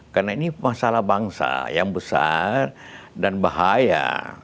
karena ini masalah bangsa yang besar dan bahaya